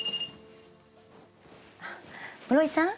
室井さん？